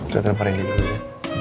saya terparing dulu ya